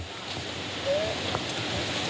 โสสภาพพิพันธุ์